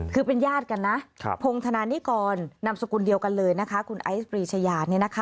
คือเป็นญาติกันนะพงธนานิกรนามสกุลเดียวกันเลยนะคะคุณไอซ์ปรีชายา